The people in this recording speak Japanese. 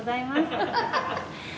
ハハハハ！